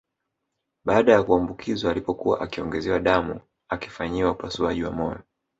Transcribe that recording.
Baada ya kuambukizwa alipokuwa akiongezewa damu akifanyiwa upasuaji wa moyo